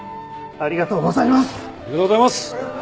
ありがとうございます！